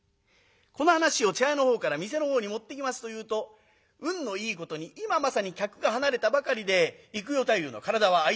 この話を茶屋のほうから店のほうに持っていきますというと運のいいことに今まさに客が離れたばかりで幾代太夫の体は空いている。